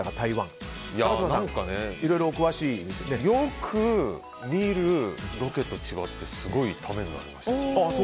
よく見るロケと違ってすごいためになりました。